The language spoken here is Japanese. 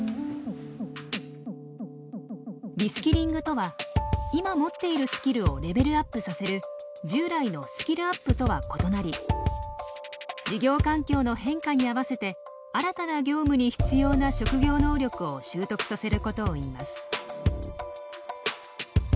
リスキリングとは今持っているスキルをレベルアップさせる従来のスキルアップとは異なり事業環境の変化に合わせて新たな業務に必要な職業能力を習得させることをいいます。